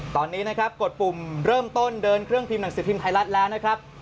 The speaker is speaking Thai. ตอนนี้เริ่มต้นกดปุ่มในเครืองพิมพ์ทายรัฐแล้วนะครับ